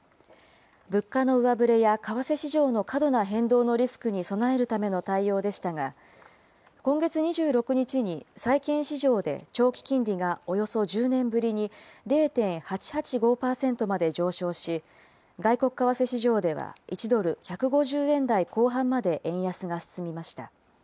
物価の上振れや為替市場の過度な変動のリスクに備えるための対応でしたが、今月２６日に債券市場で長期金利がおよそ１０年ぶりに０．８８５％まで上昇し、外国為替市場では１ドル１５０円台後半まで円安が進みました。